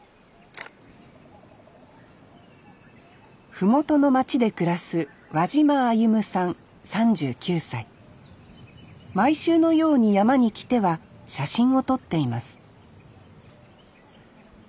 麓の町で暮らす毎週のように山に来ては写真を撮っています